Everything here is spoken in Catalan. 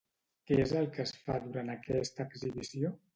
Què és el que es fa durant aquesta exhibició?